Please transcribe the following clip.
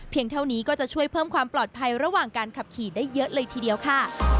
เท่านี้ก็จะช่วยเพิ่มความปลอดภัยระหว่างการขับขี่ได้เยอะเลยทีเดียวค่ะ